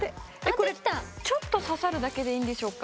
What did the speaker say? これちょっとささるだけでいいんでしょうか？